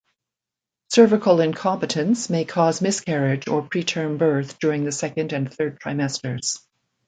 Cervical incompetence may cause miscarriage or preterm birth during the second and third trimesters.